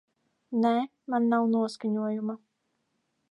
Nē, man nav noskaņojuma.